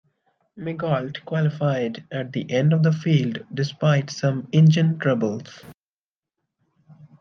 Migault qualified at the end of the field despite some engine troubles.